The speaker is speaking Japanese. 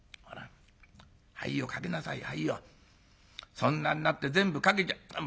そんなんなって全部かけちゃ。